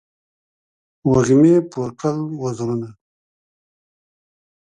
وږمې پور کړل وزرونه